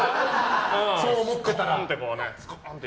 そう思ってたら。